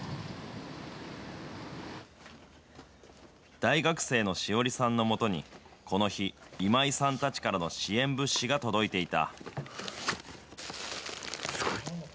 大学生のしおりさんのもとに、この日、今井さんたちからの支援物資が届いていた。